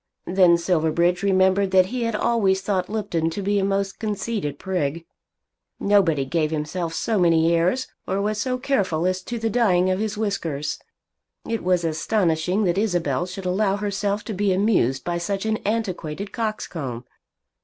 Then Silverbridge remembered that he had always thought Lupton to be a most conceited prig. Nobody gave himself so many airs, or was so careful as to the dyeing of his whiskers. It was astonishing that Isabel should allow herself to be amused by such an antiquated coxcomb.